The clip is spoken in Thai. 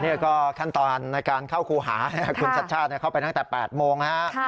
นี่ก็ขั้นตอนในการเข้าครูหาคุณชัดชาติเข้าไปตั้งแต่๘โมงนะฮะ